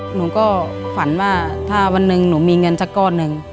หนูก็ฝันว่าถ้าวันหนึ่งหนูมีเงินสักก้อนหนึ่ง